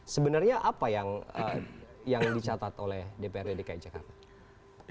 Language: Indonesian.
sebenarnya apa yang dicatat oleh dprd dki jakarta